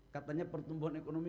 katanya pertumbuhan ekonomi